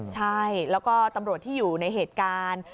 โดยตำรวจในเหตุการณ์